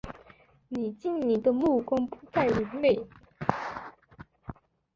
你晶莹的目光不再流泪